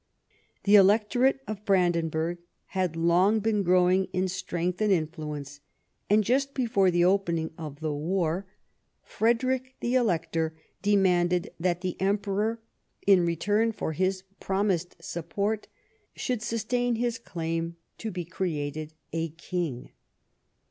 The electorate of Brandenburg had long been growing in strength and influence, and just before the opening of the war Frederick, the 83 THE REIGN OP QUEEN ANNE elector, demanded that the Emperor, in return for his promised support, should sustain his claim to be cre ated a king.